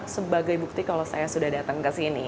sebagai bukti kalau saya sudah datang ke sini